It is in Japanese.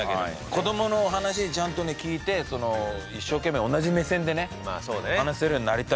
子どもの話ちゃんとね聞いて一生懸命同じ目線でね話せるようになりたいなって思いましたね。